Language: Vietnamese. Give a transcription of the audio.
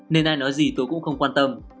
nên ai nói gì tôi cũng không quan tâm